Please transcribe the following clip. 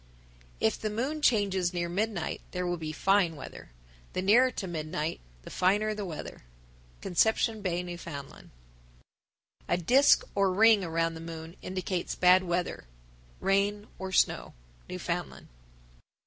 If the moon changes near midnight there will be fine weather. The nearer to midnight, the finer the weather. Conception Bay, N.F. 995. A disk or ring around the moon indicates bad weather (rain or snow). _Newfoundland.